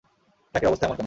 ট্রাকের এমন অবস্থা কেন?